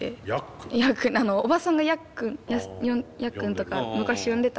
おばさんがヤッ君とか昔呼んでたので。